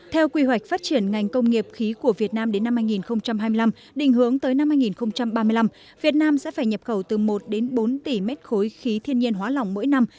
theo quy hoạch phát triển ngành công nghiệp khí của việt nam đến năm hai nghìn hai mươi năm định hướng tới năm hai nghìn ba mươi năm việt nam sẽ phải nhập khẩu từ một đến bốn tỷ mét khối khí thiên nhiên hóa lỏng mỗi năm